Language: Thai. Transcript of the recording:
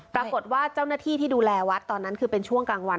ปรากฏว่าเจ้าหน้าที่ที่ดูแลวัดตอนนั้นคือเป็นช่วงกลางวัน